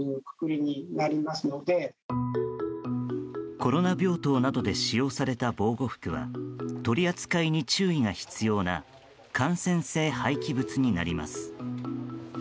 コロナ病棟などで使用された防護服は取り扱いに注意が必要な感染性廃棄物になります。